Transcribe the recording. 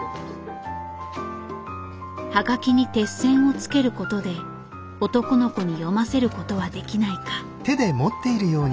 はがきに鉄線をつけることで男の子に読ませることはできないか。